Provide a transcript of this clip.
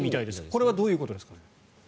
これはどういうことですかね。